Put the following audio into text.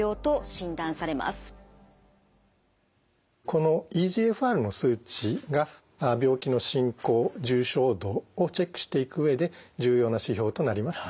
このｅＧＦＲの数値が病気の進行重症度をチェックしていく上で重要な指標となります。